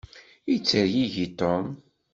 Yettergigi Tom.